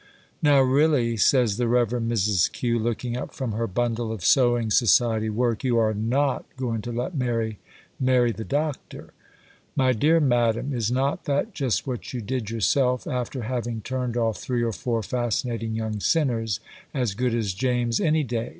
'Now, really,' says the Rev. Mrs. Q., looking up from her bundle of Sewing Society work, 'you are not going to let Mary marry the Doctor?' My dear Madam, is not that just what you did, yourself, after having turned off three or four fascinating young sinners as good as James any day?